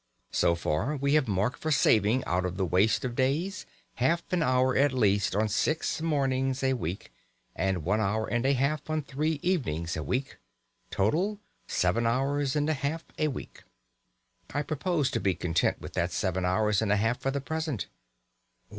So far we have marked for saving out of the waste of days, half an hour at least on six mornings a week, and one hour and a half on three evenings a week. Total, seven hours and a half a week. I propose to be content with that seven hours and a half for the present.